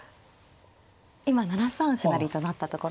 今７三歩成と成ったところですが。